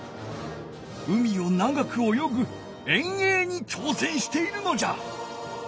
海を長く泳ぐ遠泳に挑戦しているのじゃ！